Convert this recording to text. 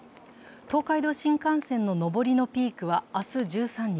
東海道新幹線の上りのピークは明日１３日、